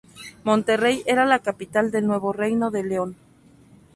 Monterrey era la capital del Nuevo Reino de León.